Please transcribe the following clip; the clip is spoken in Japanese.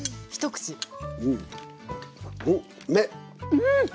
うん！